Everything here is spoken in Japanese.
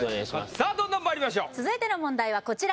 さあどんどんまいりましょう続いての問題はこちら